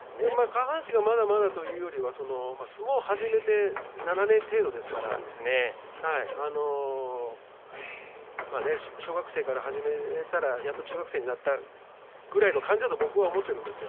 下半身がまだまだというよりは相撲を始めて７年程度ですから小学生から始めたら、やっと中学生になったぐらいの感じだと僕は思っているんです。